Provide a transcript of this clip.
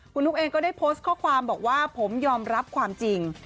คุณนุ๊กเองก็ได้โพสต์ข้อความบอกว่าผมยอมรับความจริง